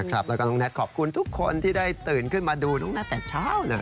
แล้วก็น้องแท็กขอบคุณทุกคนที่ได้ตื่นขึ้นมาดูน้องแท็กแต่เช้าเลย